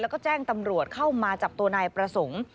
แล้วก็แจ้งตำรวจเข้ามาจับตัวนายประสงค์